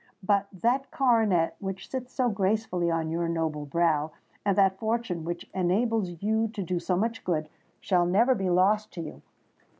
"But that coronet which sits so gracefully on your noble brow, and that fortune which enables you to do so much good, shall never be lost to you.